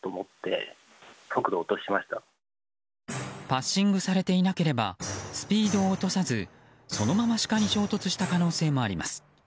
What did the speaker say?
バッシングされていなければスピードを落とさずそのままシカに衝突した可能性もあります。